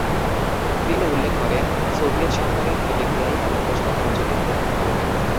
তিনি উল্লেখ করেন, সোভিয়েত সরকারের প্রতিক্রিয়াই তার পুরস্কার বর্জনের প্রধান কারণ।